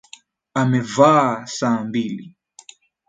Amevaa saa mbili